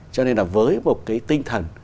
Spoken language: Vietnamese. cho nên là với một cái tinh thần